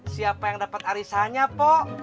siapa yang dapat arisannya po